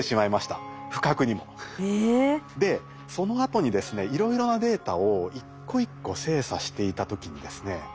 でそのあとにですねいろいろなデータを一個一個精査していた時にですね